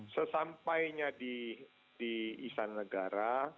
sesampainya di istana negara